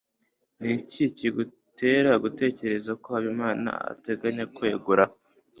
niki kigutera gutekereza ko habimana ateganya kwegura